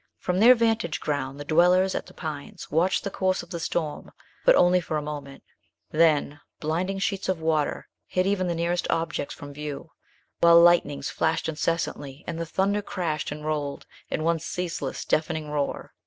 From their vantage ground the dwellers at The Pines watched the course of the storm, but only for a moment; then blinding sheets of water hid even the nearest objects from view, while lightnings flashed incessantly and the thunder crashed and rolled in one ceaseless, deafening roar.